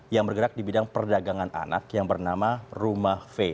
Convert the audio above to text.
yang bergerak di bidang perdagangan anak yang bernama rumah v